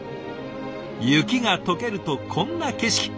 雪がとけるとこんな景色。